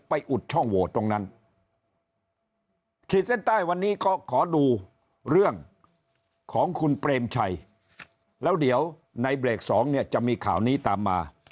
อุดช่องโหวตตรงนั้นขีดเส้นใต้วันนี้ก็ขอดูเรื่องของคุณเปรมชัยแล้วเดี๋ยวในเบรกสองเนี่ยจะมีข่าวนี้ตามมา